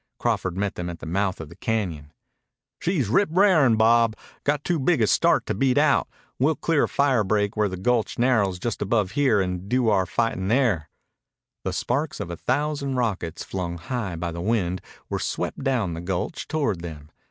Crawford met them at the mouth of the cañon. "She's rip r'arin', Bob! Got too big a start to beat out. We'll clear a fire break where the gulch narrows just above here and do our fightin' there." The sparks of a thousand rockets, flung high by the wind, were swept down the gulch toward them.